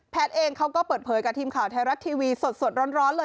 เองเขาก็เปิดเผยกับทีมข่าวไทยรัฐทีวีสดร้อนเลย